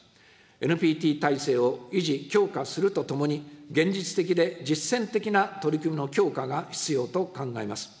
ＮＰＴ体制を維持・強化するとともに、現実的で実践的な取り組みの強化が必要と考えます。